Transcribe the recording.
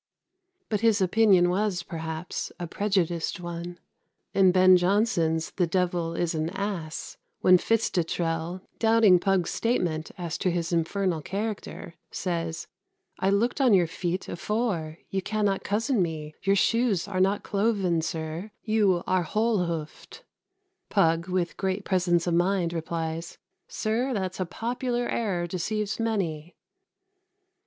" But his opinion was, perhaps, a prejudiced one. In Ben Jonson's "The Devil is an Ass," when Fitzdottrell, doubting Pug's statement as to his infernal character, says, "I looked on your feet afore; you cannot cozen me; your shoes are not cloven, sir, you are whole hoofed;" Pug, with great presence of mind, replies, "Sir, that's a popular error deceives many."